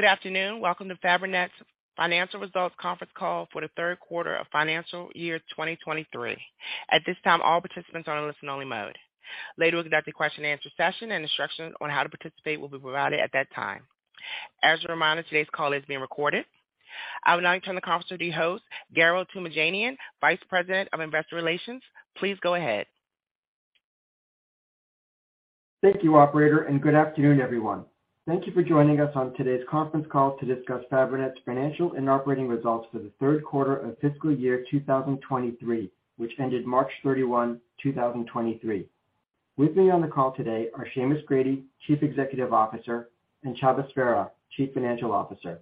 Good afternoon. Welcome to Fabrinet's Financial Results Conference Call for the third quarter of financial year 2023. At this time, all participants are on listen only mode. Later, we'll conduct a question and answer session, and instructions on how to participate will be provided at that time. As a reminder, today's call is being recorded. I will now turn the conference to the host, Garo Toomajanian, Vice President of Investor Relations. Please go ahead. Thank you, operator, and good afternoon, everyone. Thank you for joining us on today's conference call to discuss Fabrinet's financial and operating results for the third quarter of fiscal year 2023, which ended March 31, 2023. With me on the call today are Seamus Grady, Chief Executive Officer, and Csaba Sverha, Chief Financial Officer.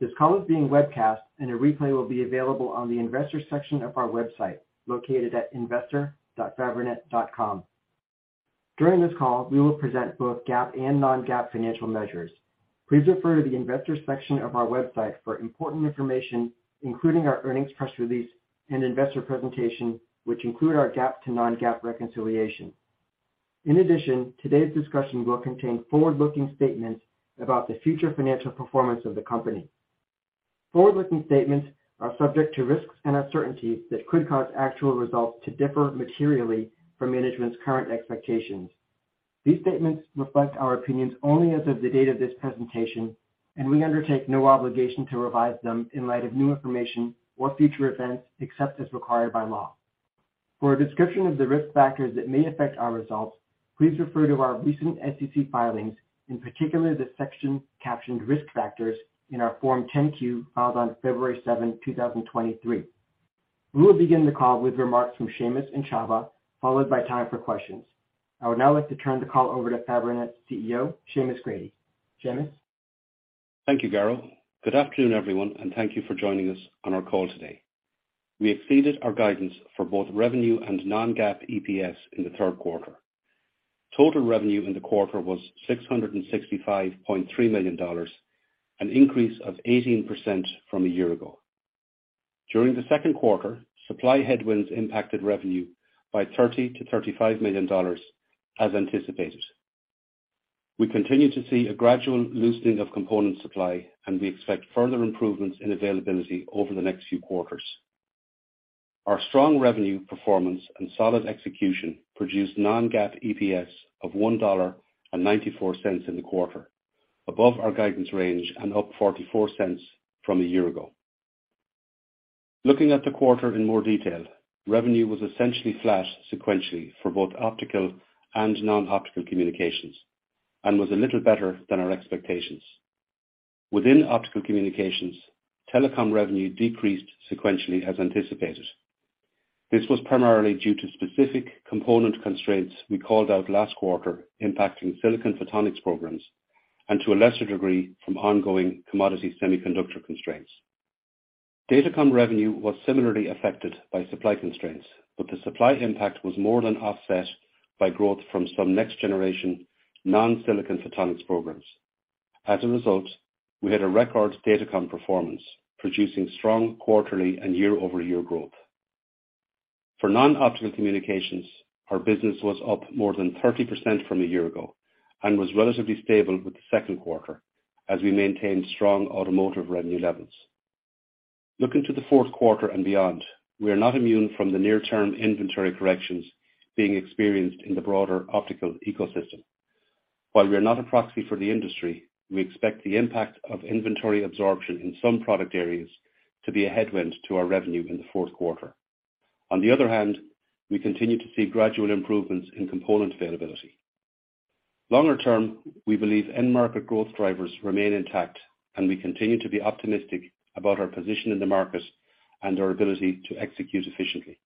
This call is being webcast, and a replay will be available on the investor section of our website located at investor.fabrinet.com. During this call, we will present both GAAP and non-GAAP financial measures. Please refer to the investor section of our website for important information, including our earnings press release and investor presentation, which include our GAAP to non-GAAP reconciliation. In addition, today's discussion will contain forward-looking statements about the future financial performance of the company. Forward-looking statements are subject to risks and uncertainties that could cause actual results to differ materially from management's current expectations. These statements reflect our opinions only as of the date of this presentation. We undertake no obligation to revise them in light of new information or future events, except as required by law. For a description of the risk factors that may affect our results, please refer to our recent SEC filings, in particular the section captioned Risk Factors in our Form 10-Q filed on February 7, 2023. We will begin the call with remarks from Seamus and Csaba, followed by time for questions. I would now like to turn the call over to Fabrinet's CEO, Seamus Grady. Seamus? Thank you, Garo. Good afternoon, everyone, and thank you for joining us on our call today. We exceeded our guidance for both revenue and non-GAAP EPS in the third quarter. Total revenue in the quarter was $665.3 million, an increase of 18% from a year ago. During the second quarter, supply headwinds impacted revenue by $30 million-$35 million as anticipated. We continue to see a gradual loosening of component supply, and we expect further improvements in availability over the next few quarters. Our strong revenue performance and solid execution produced non-GAAP EPS of $1.94 in the quarter, above our guidance range and up $0.44 from a year ago. Looking at the quarter in more detail, revenue was essentially flat sequentially for both optical and non-optical communications and was a little better than our expectations. Within optical communications, telecom revenue decreased sequentially as anticipated. This was primarily due to specific component constraints we called out last quarter impacting silicon photonics programs and to a lesser degree, from ongoing commodity semiconductor constraints. Datacom revenue was similarly affected by supply constraints, but the supply impact was more than offset by growth from some next-generation non-silicon photonics programs. As a result, we had a record datacom performance, producing strong quarterly and year-over-year growth. For non-optical communications, our business was up more than 30% from a year ago and was relatively stable with the second quarter as we maintained strong automotive revenue levels. Looking to the fourth quarter and beyond, we are not immune from the near-term inventory corrections being experienced in the broader optical ecosystem. While we are not a proxy for the industry, we expect the impact of inventory absorption in some product areas to be a headwind to our revenue in the fourth quarter. We continue to see gradual improvements in component availability. Longer term, we believe end market growth drivers remain intact, and we continue to be optimistic about our position in the market and our ability to execute efficiently.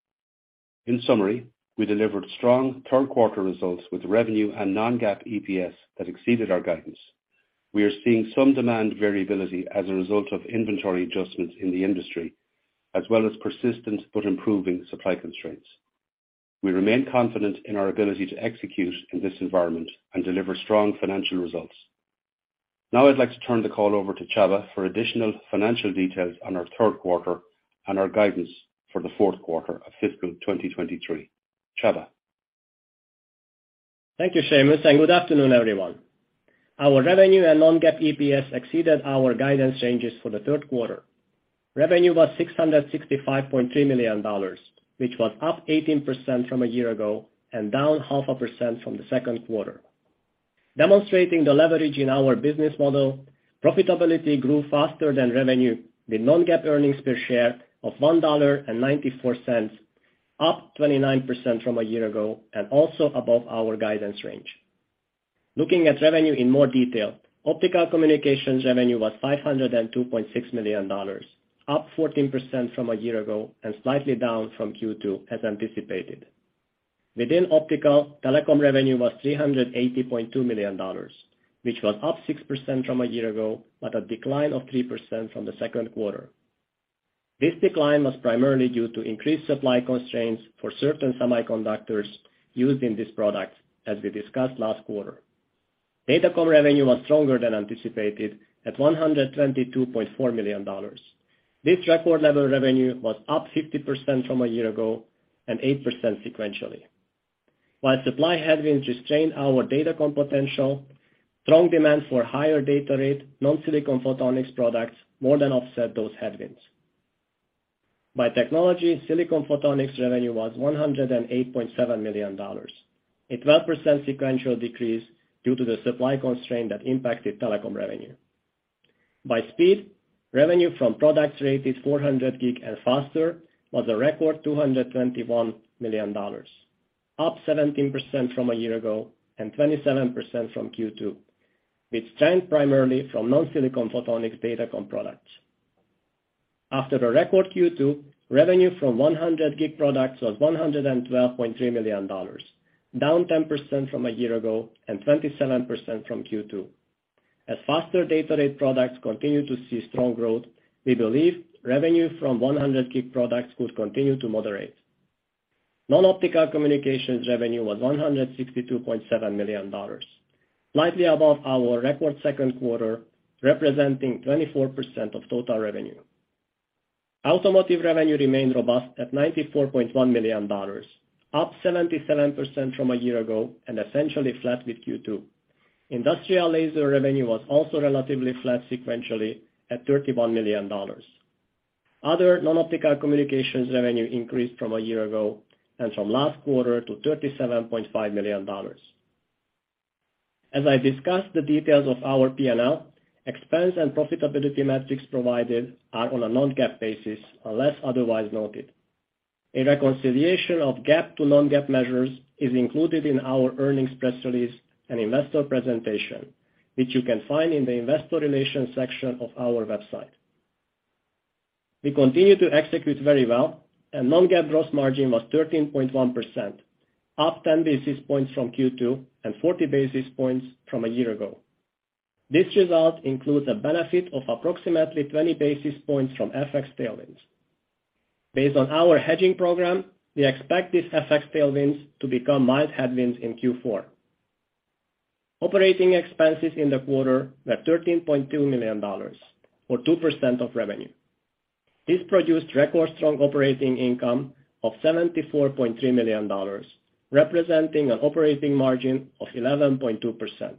In summary, we delivered strong third-quarter results with revenue and non-GAAP EPS that exceeded our guidance. We are seeing some demand variability as a result of inventory adjustments in the industry, as well as persistent but improving supply constraints. We remain confident in our ability to execute in this environment and deliver strong financial results. Now, I'd like to turn the call over to Csaba for additional financial details on our third quarter and our guidance for the fourth quarter of fiscal 2023. Csaba? Thank you, Seamus. Good afternoon, everyone. Our revenue and non-GAAP EPS exceeded our guidance changes for the third quarter. Revenue was $665.3 million, which was up 18% from a year ago and down 0.5% from the second quarter. Demonstrating the leverage in our business model, profitability grew faster than revenue with non-GAAP earnings per share of $1.94, up 29% from a year ago and also above our guidance range. Looking at revenue in more detail. Optical communications revenue was $502.6 million, up 14% from a year ago and slightly down from Q2, as anticipated. Within optical, telecom revenue was $380.2 million, which was up 6% from a year ago, but a decline of 3% from the second quarter. This decline was primarily due to increased supply constraints for certain semiconductors used in these products, as we discussed last quarter. Datacom revenue was stronger than anticipated at $122.4 million. This record level revenue was up 50% from a year ago and 8% sequentially. Supply headwinds restrained our datacom potential. Strong demand for higher data rate, non-silicon photonics products more than offset those headwinds. By technology, silicon photonics revenue was $108.7 million, a 12% sequential decrease due to the supply constraint that impacted telecom revenue. By speed, revenue from products rated 400G and faster was a record $221 million, up 17% from a year ago and 27% from Q2, with strength primarily from non-silicon photonics datacom products. After a record Q2, revenue from 100G products was $112.3 million, down 10% from a year ago and 27% from Q2. Faster data rate products continue to see strong growth, we believe revenue from 100G products could continue to moderate. Non-optical communications revenue was $162.7 million, slightly above our record second quarter, representing 24% of total revenue. Automotive revenue remained robust at $94.1 million, up 77% from a year ago and essentially flat with Q2. Industrial laser revenue was also relatively flat sequentially at $31 million. Other non-optical communications revenue increased from a year ago and from last quarter to $37.5 million. I discussed the details of our P&L, expense and profitability metrics provided are on a non-GAAP basis, unless otherwise noted. A reconciliation of GAAP to non-GAAP measures is included in our earnings press release and investor presentation, which you can find in the investor relations section of our website. We continue to execute very well and non-GAAP gross margin was 13.1%, up 10 basis points from Q2 and 40 basis points from a year ago. This result includes a benefit of approximately 20 basis points from FX tailwinds. Based on our hedging program, we expect these FX tailwinds to become mild headwinds in Q4. Operating expenses in the quarter were $13.2 million, or 2% of revenue. This produced record strong operating income of $74.3 million, representing an operating margin of 11.2%.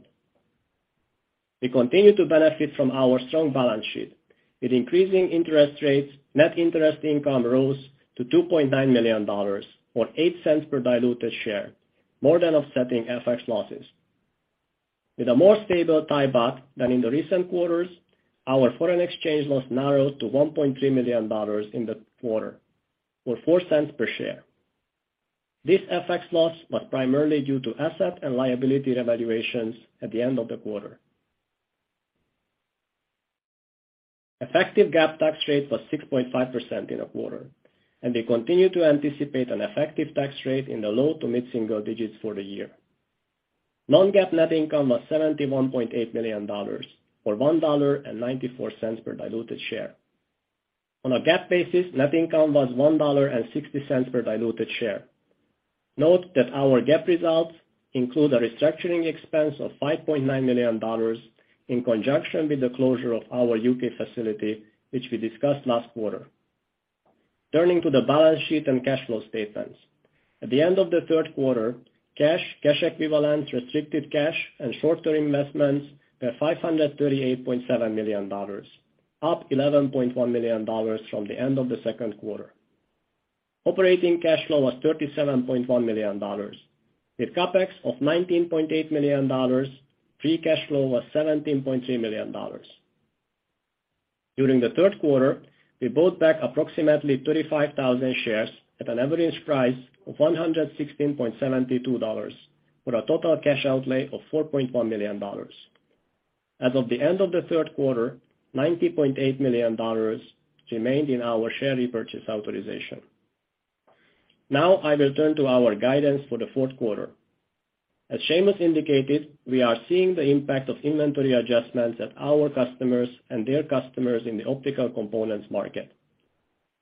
We continue to benefit from our strong balance sheet. With increasing interest rates, net interest income rose to $2.9 million or $0.08 per diluted share, more than offsetting FX losses. With a more stable Thai baht than in the recent quarters, our foreign exchange loss narrowed to $1.3 million in the quarter, or $0.04 per share. This FX loss was primarily due to asset and liability revaluations at the end of the quarter. Effective GAAP tax rate was 6.5% in the quarter. We continue to anticipate an effective tax rate in the low to mid-single digits for the year. Non-GAAP net income was $71.8 million or $1.94 per diluted share. On a GAAP basis, net income was $1.60 per diluted share. Note that our GAAP results include a restructuring expense of $5.9 million in conjunction with the closure of our U.K. facility, which we discussed last quarter. Turning to the balance sheet and cash flow statements. At the end of the third quarter, cash equivalents, restricted cash and short-term investments were $538.7 million, up $11.1 million from the end of the second quarter. Operating cash flow was $37.1 million with CapEx of $19.8 million, free cash flow was $17.3 million. During the third quarter, we bought back approximately 35,000 shares at an average price of $116.72, with a total cash outlay of $4.1 million. As of the end of the third quarter, $90.8 million remained in our share repurchase authorization. I will turn to our guidance for the fourth quarter. As Seamus indicated, we are seeing the impact of inventory adjustments at our customers and their customers in the optical components market.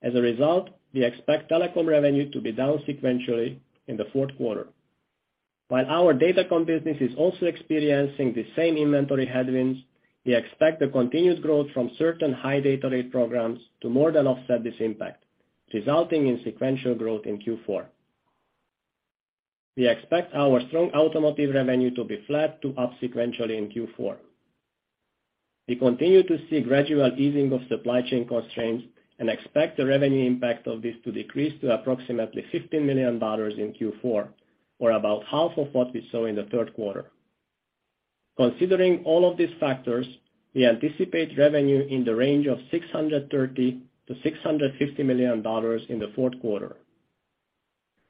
We expect telecom revenue to be down sequentially in the fourth quarter. Our datacom business is also experiencing the same inventory headwinds, we expect the continued growth from certain high data rate programs to more than offset this impact, resulting in sequential growth in Q4. We expect our strong automotive revenue to be flat to up sequentially in Q4. We continue to see gradual easing of supply chain constraints and expect the revenue impact of this to decrease to approximately $15 million in Q4, or about half of what we saw in the third quarter. Considering all of these factors, we anticipate revenue in the range of $630 million-$650 million in the fourth quarter.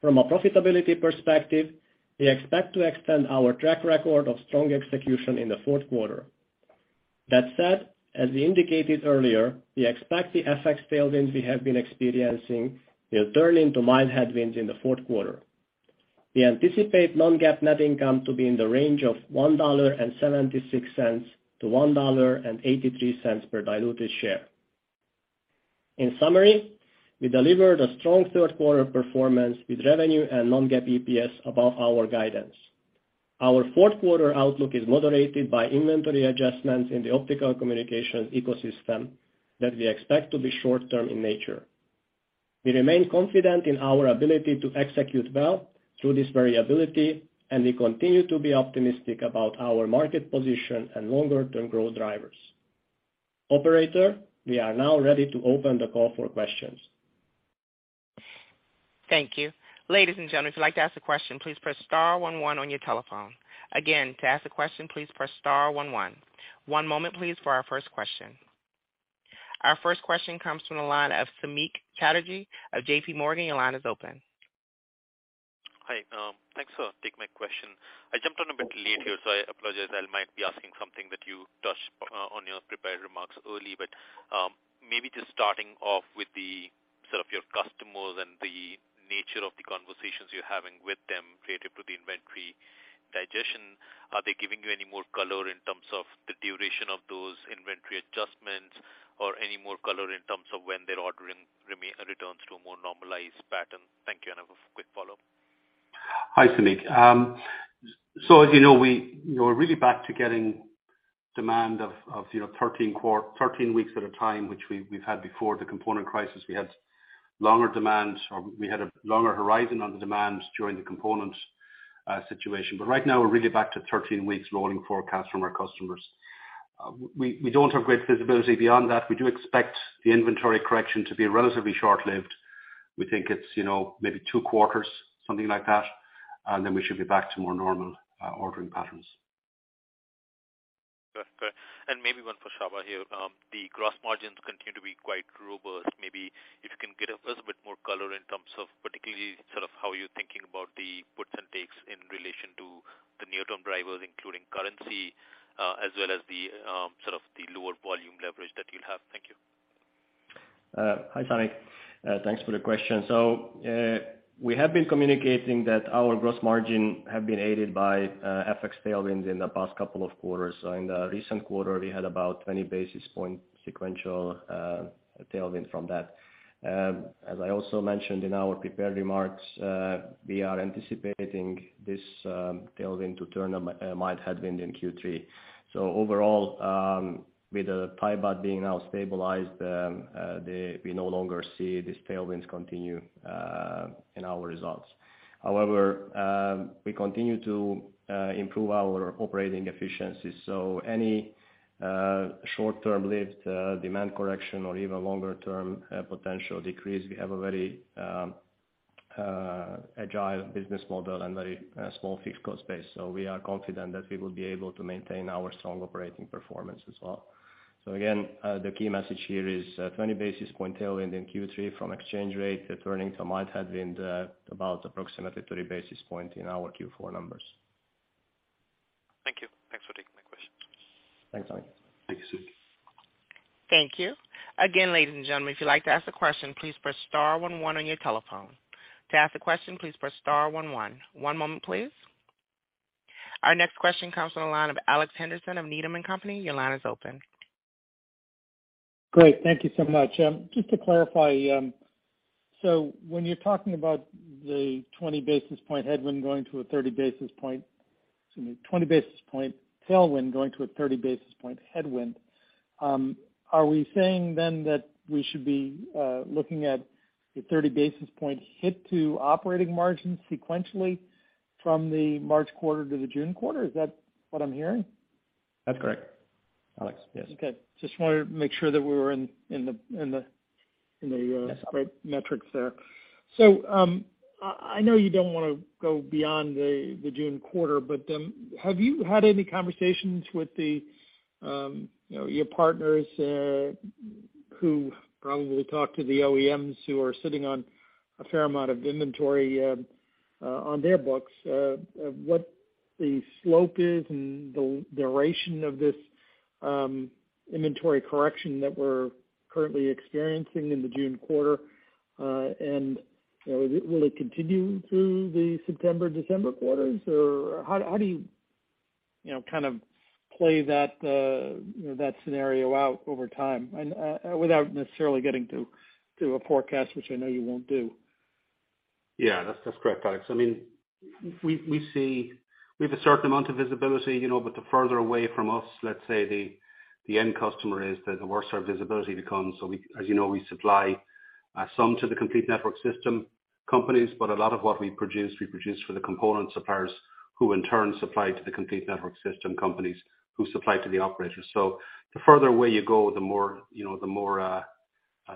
From a profitability perspective, we expect to extend our track record of strong execution in the fourth quarter. That said, as we indicated earlier, we expect the FX tailwinds we have been experiencing will turn into mild headwinds in the fourth quarter. We anticipate non-GAAP net income to be in the range of $1.76-$1.83 per diluted share. In summary, we delivered a strong third quarter performance with revenue and non-GAAP EPS above our guidance. Our fourth quarter outlook is moderated by inventory adjustments in the optical communication ecosystem that we expect to be short-term in nature. We remain confident in our ability to execute well through this variability, we continue to be optimistic about our market position and longer-term growth drivers. Operator, we are now ready to open the call for questions. Thank you. Ladies and gentlemen, if you'd like to ask a question, please press star one one on your telephone. Again, to ask a question, please press star one one. One moment please for our first question. Our first question comes from the line of Samik Chatterjee of J.P. Morgan. Your line is open. Hi, thanks for taking my question. I jumped on a bit late here, so I apologize. I might be asking something that you touched on your prepared remarks early, but maybe just starting off with the sort of your customers and the nature of the conversations you're having with them related to the inventory digestion. Are they giving you any more color in terms of the duration of those inventory adjustments or any more color in terms of when their ordering returns to a more normalized pattern? Thank you. I have a quick follow-up. Hi, Samik. As you know, we're really back to getting demand of, you know, 13 weeks at a time, which we've had before the component crisis. We had longer demands, or we had a longer horizon on the demand during the component situation. Right now we're really back to 13 weeks rolling forecast from our customers. We don't have great visibility beyond that. We do expect the inventory correction to be relatively short-lived. We think it's, you know, maybe 2 quarters, something like that, and then we should be back to more normal ordering patterns. Okay. Maybe one for Csaba here. The gross margins continue to be quite robust. Maybe if you can give us a bit more color in terms of particularly sort of how you're thinking about the puts and takes in relation to the near-term drivers, including currency, as well as the sort of the lower volume leverage that you'll have. Thank you. Hi, Samik. Thanks for the question. We have been communicating that our gross margin have been aided by FX tailwinds in the past couple of quarters. In the recent quarter, we had about 20 basis point sequential tailwind from that. As I also mentioned in our prepared remarks, we are anticipating this tailwind to turn a mild headwind in Q3. Overall, with the Thai baht being now stabilized, we no longer see these tailwinds continue in our results. However, we continue to improve our operating efficiency. Any short-term lived demand correction or even longer term potential decrease, we have a very agile business model and very small fixed cost base. We are confident that we will be able to maintain our strong operating performance as well. Again, the key message here is, 20 basis point tailwind in Q3 from exchange rate turning to mild headwind, about approximately 30 basis point in our Q4 numbers. Thank you. Thanks for taking my question. Thanks, Samik. Thanks, Samik. Thank you. Again, ladies and gentlemen, if you'd like to ask a question, please press star one one on your telephone. To ask a question, please press star one one. One moment, please. Our next question comes from the line of Alex Henderson of Needham & Company. Your line is open. Great. Thank you so much. Just to clarify, when you're talking about the 20 basis point headwind going to a 30 basis point... Excuse me, 20 basis point tailwind going to a 30 basis point headwind, are we saying then that we should be looking at a 30 basis point hit to operating margins sequentially from the March quarter to the June quarter? Is that what I'm hearing? That's correct, Alex. Yes. Okay. Just wanted to make sure that we were in the right metrics there. I know you don't wanna go beyond the June quarter, but have you had any conversations with the, you know, your partners who probably talk to the OEMs who are sitting on a fair amount of inventory on their books of what the slope is and the duration of this inventory correction that we're currently experiencing in the June quarter? Will it continue through the September, December quarters? Or how do you know, kind of play that, you know, that scenario out over time and without necessarily getting to a forecast, which I know you won't do? That's correct, Alex. I mean, we have a certain amount of visibility, you know, but the further away from us, let's say the end customer is, the worse our visibility becomes. We, as you know, we supply some to the complete network system companies, but a lot of what we produce, we produce for the component suppliers, who in turn supply to the complete network system companies who supply to the operators. The further away you go, the more, you know, the more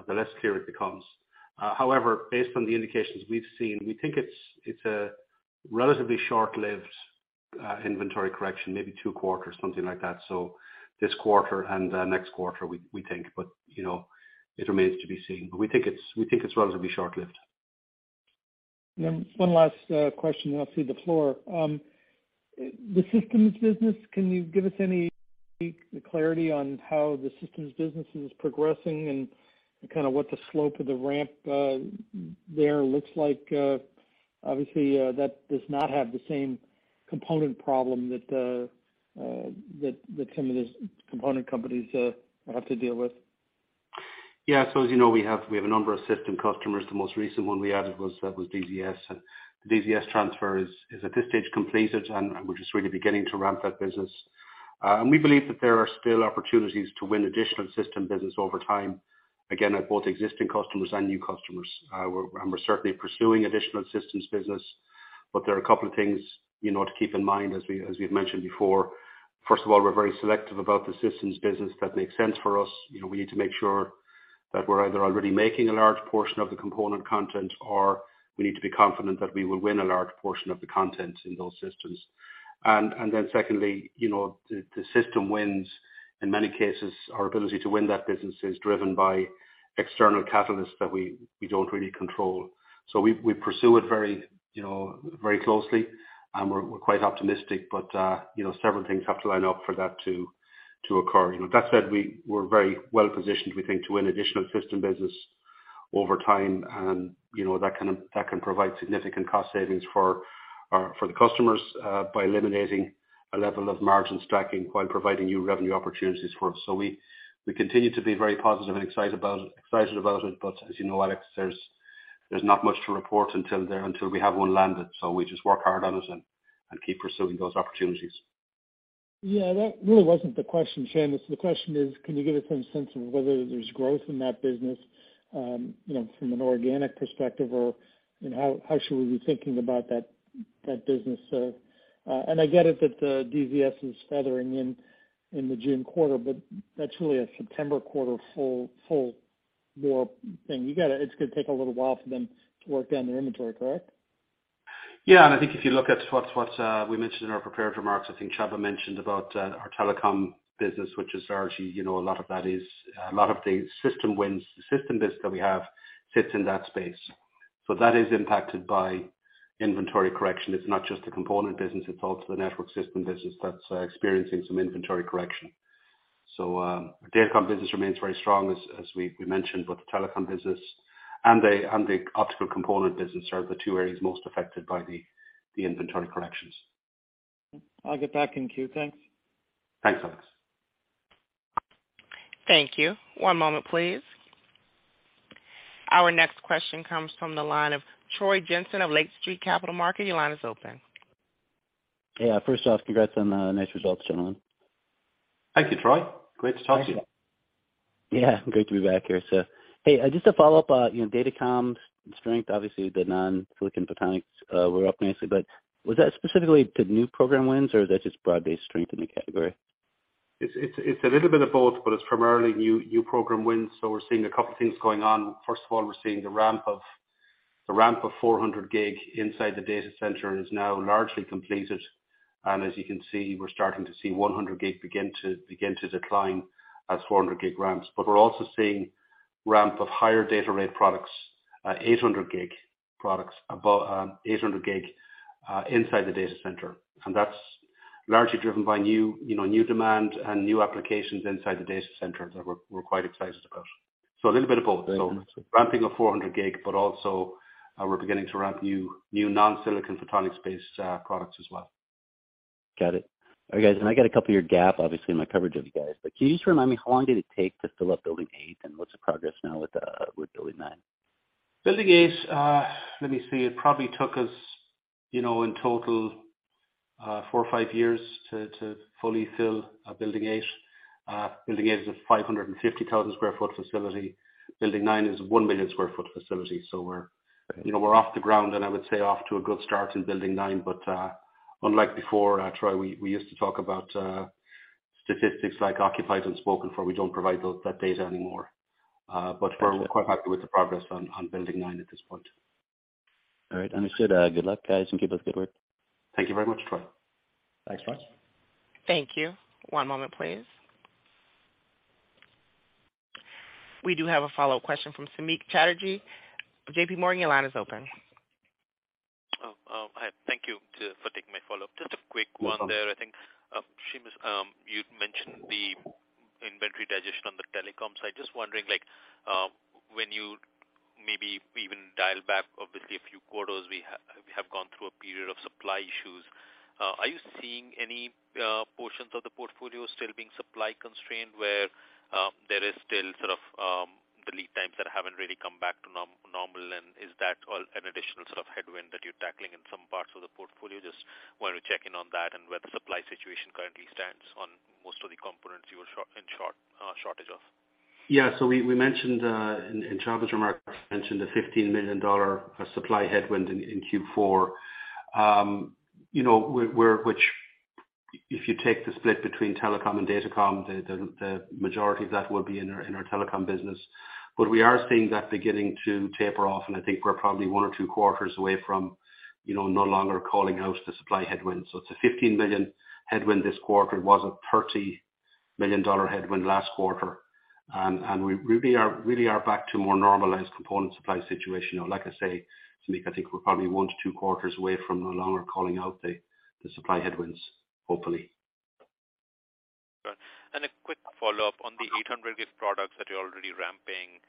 the less clear it becomes. Based on the indications we've seen, we think it's a relatively short-lived inventory correction, maybe two quarters, something like that. This quarter and next quarter we think. You know, it remains to be seen, but we think it's relatively short-lived. One last question. I'll cede the floor. The systems business, can you give us any clarity on how the systems business is progressing and kind of what the slope of the ramp there looks like? Obviously, that does not have the same component problem that some of these component companies have to deal with. As you know, we have a number of system customers. The most recent one we added was DZS. The DZS transfer is at this stage completed, and we're just really beginning to ramp that business. We believe that there are still opportunities to win additional system business over time, again, at both existing customers and new customers. We're certainly pursuing additional systems business, but there are a couple of things, you know, to keep in mind as we've mentioned before. First of all, we're very selective about the systems business that makes sense for us. You know, we need to make sure that we're either already making a large portion of the component content, or we need to be confident that we will win a large portion of the content in those systems. Then secondly, you know, the system wins, in many cases, our ability to win that business is driven by external catalysts that we don't really control. We pursue it very, you know, very closely, and we're quite optimistic, but, you know, several things have to line up for that to occur. You know, that said, we're very well positioned, we think, to win additional system business over time. You know, that can, that can provide significant cost savings for our, for the customers, by eliminating a level of margin stacking while providing new revenue opportunities for us. We continue to be very positive and excited about it. As you know, Alex, there's not much to report until we have one landed, so we just work hard on it and keep pursuing those opportunities. Yeah, that really wasn't the question, Seamus. The question is, can you give us some sense of whether there's growth in that business, you know, from an organic perspective or, you know, how should we be thinking about that business? I get it that the DZS is feathering in the June quarter, but that's really a September quarter full warp thing. It's gonna take a little while for them to work down their inventory, correct? Yeah. I think if you look at what's we mentioned in our prepared remarks, I think Csaba mentioned about our telecom business, which is largely, you know, a lot of that is, a lot of the system wins, the system business that we have fits in that space. That is impacted by inventory correction. It's not just the component business, it's also the network system business that's experiencing some inventory correction. Datacom business remains very strong as we mentioned, but the telecom business and the optical component business are the two areas most affected by the inventory corrections. I'll get back in queue. Thanks. Thanks, Alex. Thank you. One moment, please. Our next question comes from the line of Troy Jensen of Lake Street Capital Markets. Your line is open. First off, congrats on the nice results, gentlemen. Thank you, Troy. Great to talk to you. Yeah, great to be back here. Hey, just to follow up, you know, datacom strength, obviously the non-silicon photonics, were up nicely, but was that specifically the new program wins or is that just broad-based strength in the category? It's a little bit of both, but it's primarily new program wins. We're seeing a couple things going on. First of all, we're seeing the ramp of 400G inside the data center is now largely completed. As you can see, we're starting to see 100G begin to decline as 400G ramps. We're also seeing ramp of higher data rate products, 800G products above 800G inside the data center. That's largely driven by you know, new demand and new applications inside the data center that we're quite excited about. A little bit of both. Thank you. Ramping of 400G, but also, we're beginning to ramp new non-silicon photonics-based products as well. Got it. All right, guys, I got a couple year gap, obviously in my coverage of you guys. Can you just remind me how long did it take to fill up building eight and what's the progress now with building nine? Building eight, let me see. It probably took us, you know, in total, four or five years to fully fill building eight. Building eight is a 550,000 sq ft facility. Building nine is a 1 million sq ft facility. We're, you know, we're off the ground and I would say off to a good start in building nine. Unlike before, Troy, we used to talk about statistics like occupied and spoken for, we don't provide those, that data anymore. We're quite happy with the progress on building nine at this point. All right. Understood. Good luck guys, and keep up the good work. Thank you very much, Troy. Thanks, Troy. Thank you. One moment, please. We do have a follow question from Samik Chatterjee, J.P. Morgan. Your line is open. Oh, hi. Thank you for taking my follow-up. Just a quick one there. No problem. I think, Seamus, you'd mentioned the inventory digestion on the telecom side. Just wondering like, when you maybe even dial back, obviously a few quarters, we have gone through a period of supply issues. Are you seeing any portions of the portfolio still being supply constrained where there is still sort of the lead times that haven't really come back to normal? Is that all an additional sort of headwind that you're tackling in some parts of the portfolio? Just wanted to check in on that and where the supply situation currently stands on most of the components you were shortage of. We mentioned in Csaba's remarks, mentioned the $15 million supply headwind in Q4. You know, we're which if you take the split between telecom and datacom, the majority of that will be in our telecom business. We are seeing that beginning to taper off and I think we're probably one or two quarters away from, you know, no longer calling out the supply headwind. It's a $15 million headwind this quarter. It was a $30 million headwind last quarter. We really are back to a more normalized component supply situation. You know, like I say, Samik, I think we're probably one to two quarters away from no longer calling out the supply headwinds, hopefully. Got it. A quick follow-up on the 800 gig products that you're already ramping.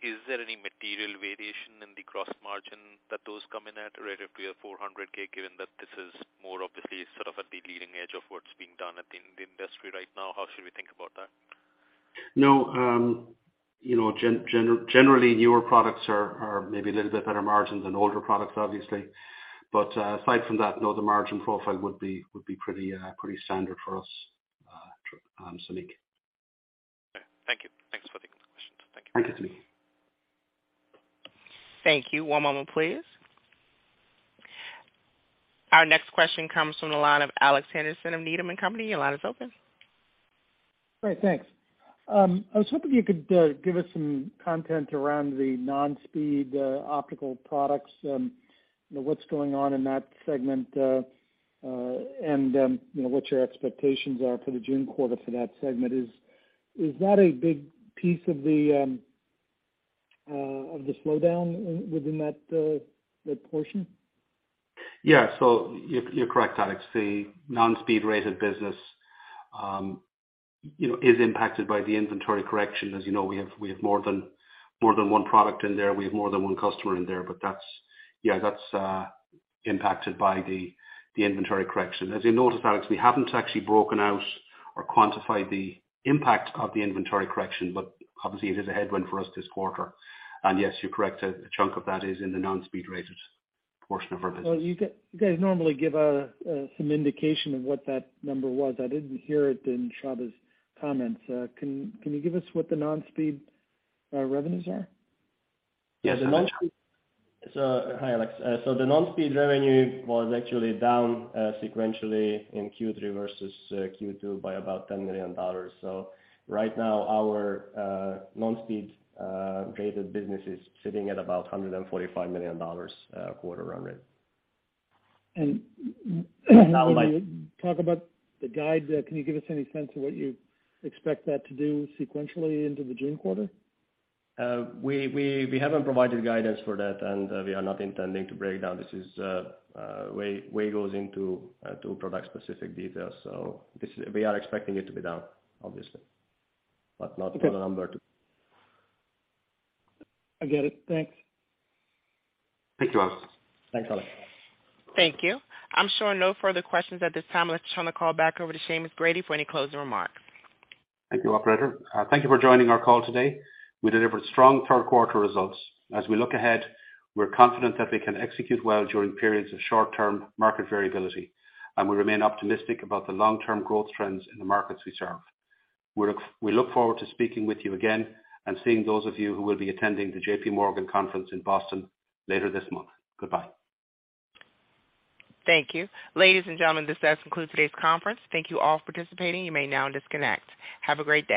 Is there any material variation in the gross margin that those come in at, right, if we have 400 K, given that this is more obviously sort of at the leading edge of what's being done at the industry right now, how should we think about that? No. You know, generally newer products are maybe a little bit better margins than older products, obviously. Aside from that, no, the margin profile would be pretty standard for us, Samik. Okay. Thank you. Thanks for taking the question. Thank you. Thank you, Samik. Thank you. One moment please. Our next question comes from the line of Alex Henderson of Needham & Company. Your line is open. Great, thanks. I was hoping you could give us some content around the non-speed optical products, you know, what's going on in that segment, you know, what your expectations are for the June quarter for that segment. Is that a big piece of the slowdown within that portion? You're correct, Alex, the non-speed rated business, you know, is impacted by the inventory correction. You know, we have more than one product in there. We have more than one customer in there, but that's. Yeah, that's impacted by the inventory correction. You noticed, Alex, we haven't actually broken out or quantified the impact of the inventory correction, but obviously it is a headwind for us this quarter. Yes, you're correct. A chunk of that is in the non-speed rated portion of our business. Well, you guys normally give some indication of what that number was. I didn't hear it in Csaba's comments. Can you give us what the non-speed revenues are? Yes. Hi, Alex. The non-speed revenue was actually down sequentially in Q3 versus Q2 by about $10 million. Right now our non-speed rated business is sitting at about $145 million quarter run rate. And talk about the guide. Can you give us any sense of what you expect that to do sequentially into the June quarter? We haven't provided guidance for that, and, we are not intending to break down. This is, way goes into, to product specific details. This, we are expecting it to be down obviously, but not to put a number to. I get it. Thanks. Thank you, Alex. Thanks, Alex. Thank you. I'm showing no further questions at this time. Let's turn the call back over to Seamus Grady for any closing remarks. Thank you, operator. Thank you for joining our call today. We delivered strong third quarter results. As we look ahead, we're confident that we can execute well during periods of short-term market variability, and we remain optimistic about the long-term growth trends in the markets we serve. We look forward to speaking with you again and seeing those of you who will be attending the J.P. Morgan conference in Boston later this month. Goodbye. Thank you. Ladies and gentlemen, this does conclude today's conference. Thank you all for participating. You may now disconnect. Have a great day.